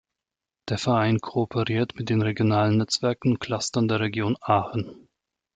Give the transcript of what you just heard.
Der Verein kooperiert auch mit den regionalen Netzwerken und Clustern der Region Aachen.